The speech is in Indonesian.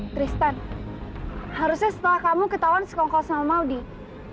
tristen harusnya setelah kamu ketahuan sekongkol sama maudie